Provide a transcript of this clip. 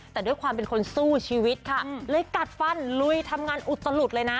แต่ด้วยความเป็นคนสู้ชีวิตค่ะเลยกัดฟันลุยทำงานอุตลุดเลยนะ